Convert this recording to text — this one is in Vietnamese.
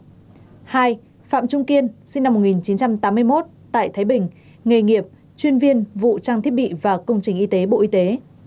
hai phạm trung kiên sinh năm một nghìn chín trăm tám mươi một tại thái bình nghề nghiệp chuyên viên vụ trang thiết bị và công trình y tế bộ y tế